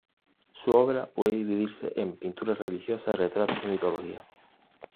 Su obra puede dividirse en pintura religiosa, retratos y mitología.